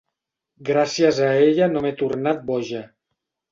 Gràcies a ella no m'he tornat boja.